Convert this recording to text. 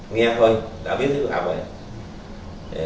nghe thôi đã biết thức hợp rồi